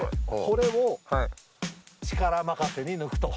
これを力任せに抜くと。